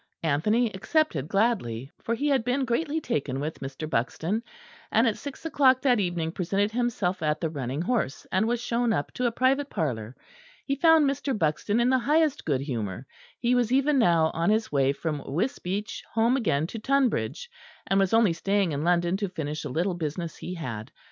Anthony accepted gladly; for he had been greatly taken with Mr. Buxton; and at six o'clock that evening presented himself at the "Running Horse," and was shown up to a private parlour. He found Mr. Buxton in the highest good humour; he was even now on his way from Wisbeach, home again to Tonbridge, and was only staying in London to finish a little business he had.